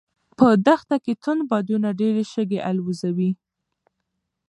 په دښته کې توند بادونه ډېرې شګې الوځوي.